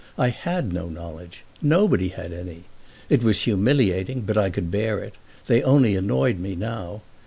I had no knowledge—nobody had any. It was humiliating, but I could bear it—they only annoyed me now.